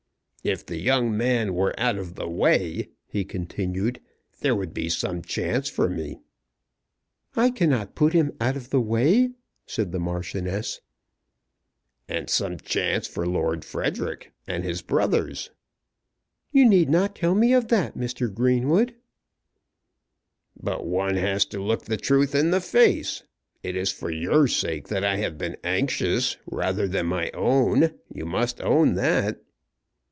"If the young man were out of the way," he continued, "there would be some chance for me." "I cannot put him out of the way," said the Marchioness. "And some chance for Lord Frederic and his brothers." "You need not tell me of that, Mr. Greenwood." "But one has to look the truth in the face. It is for your sake that I have been anxious, rather than my own. You must own that."